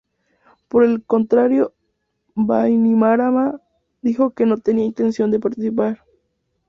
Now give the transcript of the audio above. Por el contrario, Bainimarama dijo que no tenía intención de participar.